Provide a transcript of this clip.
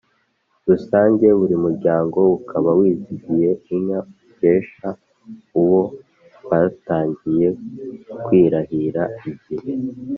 rusange, buri muryango ukaba wizigiye inka ukesha uwo batangiye kwirahira igihe